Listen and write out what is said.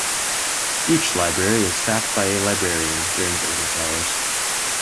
Each library is staffed by a librarian during business hours.